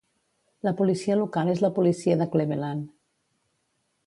La policia local es la policia de Cleveland.